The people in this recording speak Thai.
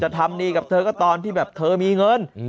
ทำดีกับเธอก็ตอนที่แบบเธอมีเงิน